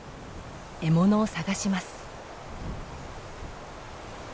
獲物を探します。